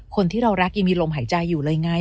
คนที่เรารักยังมีลมหายใจอยู่เลยไง